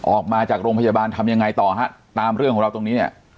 ออกมาจากโรงพยาบาลทำยังไงต่อฮะตามเรื่องของเราตรงนี้เนี่ย